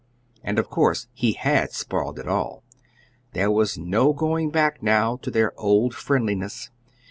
And of course he had spoiled it all. There was no going back now to their old friendliness.